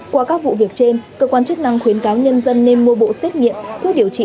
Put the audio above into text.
qua các vụ việc trên cơ quan chức năng khuyến cáo nhân dân nên mua bộ xét nghiệm thuốc điều trị